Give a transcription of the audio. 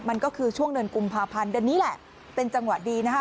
มันก็คือช่วงเดือนกุมภาพันธ์เดือนนี้แหละเป็นจังหวะดีนะคะ